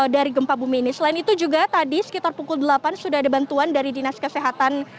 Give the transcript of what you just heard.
dari gempa bumi ini selain itu juga tadi sekitar pukul delapan sudah ada bantuan dari dinas kesehatan